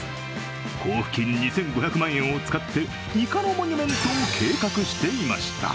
交付金２５００万円を使っていかのモニュメントを計画していました。